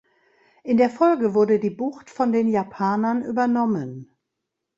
In der Folge wurde die Bucht von den Japanern übernommen.